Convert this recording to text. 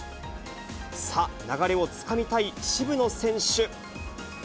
さあ、流れをつかみたい渋野選手。